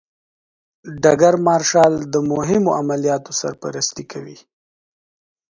ډګر مارشال د مهمو عملیاتو سرپرستي کوي.